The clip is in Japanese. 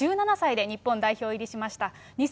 １７歳で日本代表入りしました。